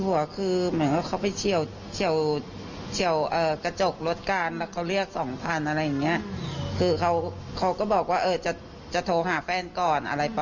แล้วคุณลุงเขารู้เมาไหมหรือว่าปกติดีใช่ไหม